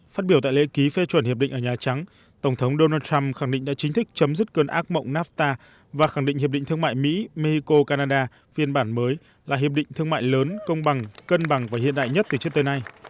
phát biểu tại lễ ký phê chuẩn hiệp định ở nhà trắng tổng thống donald trump khẳng định đã chính thức chấm dứt cơn ác mộng nafta và khẳng định hiệp định thương mại mỹ mexico canada phiên bản mới là hiệp định thương mại lớn công bằng cân bằng và hiện đại nhất từ trước tới nay